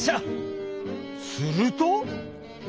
すると。